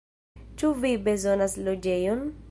Ĉu vi bezonas loĝejon?